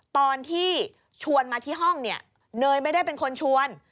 ตอนที่ชวนมาที่ห้องเนี่ยเนยไม่ได้เป็นคนชวน